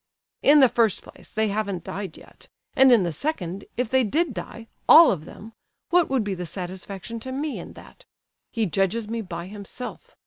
In the first place they haven't died yet; and in the second, if they did die—all of them—what would be the satisfaction to me in that? He judges me by himself.